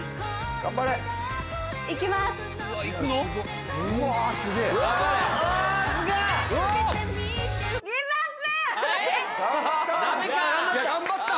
・頑張った！